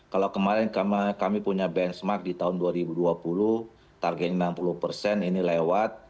kalau kemarin kami punya benchmark di tahun dua ribu dua puluh target enam puluh persen ini lewat